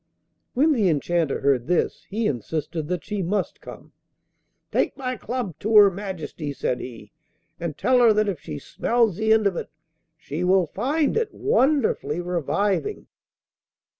When the Enchanter heard this he insisted that she must come. 'Take my club to her Majesty,' said he, 'and tell her that if she smells the end of it she will find it wonderfully reviving.